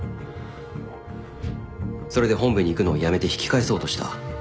それで本部に行くのをやめて引き返そうとした。